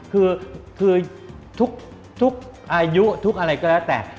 คือทุกอายุทุกอะไรก็แล้วแต่